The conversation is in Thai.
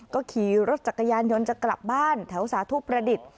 ก็ขี่รถจักรยานยนต์จะกลับบ้านแถวสาธุประดิษฐ์